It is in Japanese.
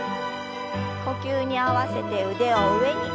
呼吸に合わせて腕を上に。